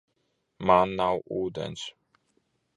Man nav ūdens.